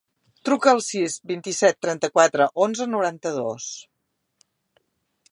Truca al sis, vint-i-set, trenta-quatre, onze, noranta-dos.